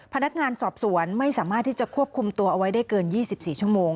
พนักงานสอบสวนไม่สามารถที่จะควบคุมตัวเอาไว้ได้เกิน๒๔ชั่วโมง